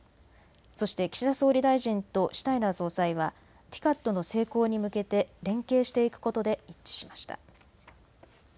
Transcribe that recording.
そして岸田総理大臣とシュタイナー総裁はＴＩＣＡＤの成功に向けて連携していくことで一致しました。